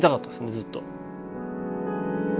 ずっと。